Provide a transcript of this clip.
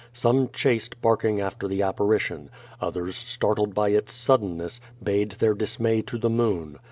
Some chased barking after the apparition. Others startled by its suddenness, bayed their dismay to the moon.